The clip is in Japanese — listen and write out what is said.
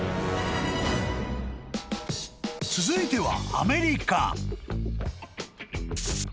［続いては］